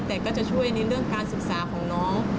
แต่ก็จะช่วยในเรื่องการศึกษาของน้อง